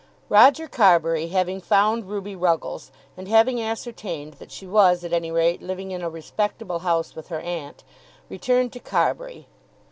Roger Carbury having found Ruby Ruggles, and having ascertained that she was at any rate living in a respectable house with her aunt, returned to Carbury.